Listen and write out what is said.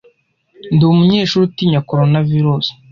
Ndi umunyeshuri utinya Coronavirusi.